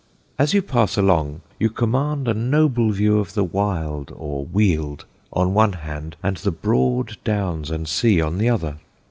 As you pass along you command a noble view of the wild, or weald, on one hand, and the broad downs and sea on the other.